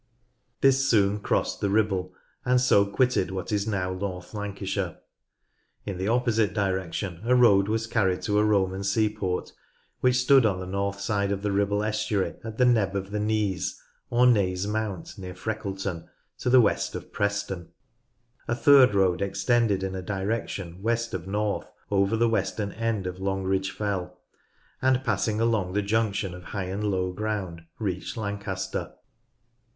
This soon crossed the Ribble and so quitted what is now North Lancashire. In the opposite direction a road was carried to a Roman seaport which stood on the north side of the Ribble estuary at the Neb of the Neeze or Naze Mount, near Freckleton, to the west of Preston. A third road extended in a direction west of north over the western end of Longridge Fell, and passing along the junction of high and low ground reached Lancaster.